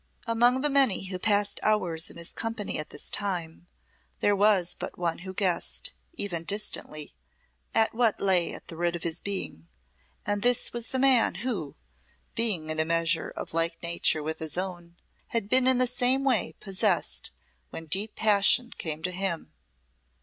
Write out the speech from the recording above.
Among the many who passed hours in his company at this time, there was but one who guessed, even distantly, at what lay at the root of his being, and this was the man who, being in a measure of like nature with his own, had been in the same way possessed when deep passion came to him.